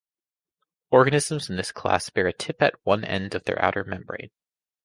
Organisms in this class bear a tip at one end of their outer membrane.